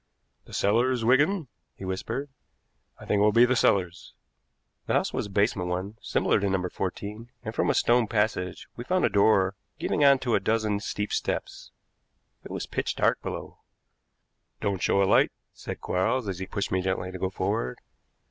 "The cellars, Wigan," he whispered. "I think it will be the cellars." The house was a basement one, similar to No. 14, and from a stone passage we found a door giving on to a dozen steep steps. It was pitch dark below. "Don't show a light," said Quarles as he pushed me gently to go forward.